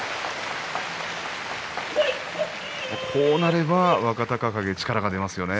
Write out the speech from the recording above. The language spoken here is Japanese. こうなると若隆景力が出ますよね。